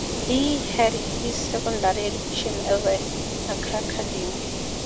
He had his secondary education at the Accra Academy.